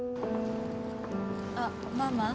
あっママ？